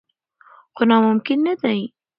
خو ناممکن نه دي.